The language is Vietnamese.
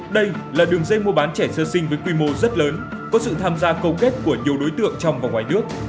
đây là đường dây mua bán trẻ sơ sinh với quy mô rất lớn có sự tham gia câu kết của nhiều đối tượng trong và ngoài nước